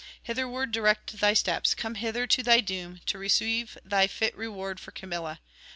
hitherward direct thy steps; come hither to thy doom, to receive thy fit reward for Camilla.